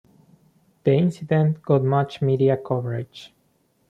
The incident got much media coverage.